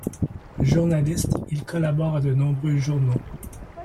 Journaliste, il collabore à de nombreux journaux.